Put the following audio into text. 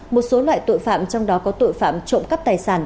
một số loại tội phạm trong đó có tội phạm trộm cắp tài sản